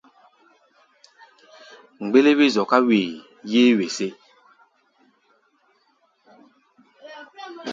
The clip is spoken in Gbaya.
Mgbéléwi zɔká wee, yeé wee.